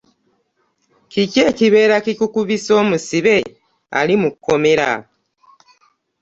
Kiki ekibeera kikukubisa omusibe ali mu kkomera.